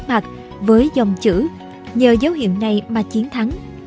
ông nhìn lên mặt với dòng chữ nhờ dấu hiệu này mà chiến thắng